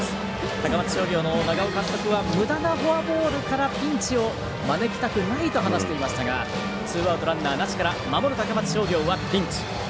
高松商業の長尾監督はむだなフォアボールからピンチを招きたくないと話していましたがツーアウト、ランナーなしから守る高松商業はピンチ。